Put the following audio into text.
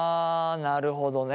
なるほどね。